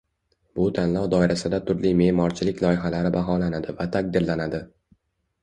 Bu tanlov doirasida turli me’morchilik loyihalari baholanadi va taqdirlanadi.